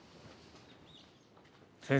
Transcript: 先生。